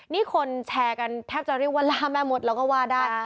นี่คนแชร์กันแทบจะเรียกว่าล่าแม่มดแล้วก็ว่าได้